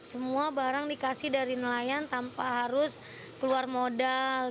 semua barang dikasih dari nelayan tanpa harus keluar modal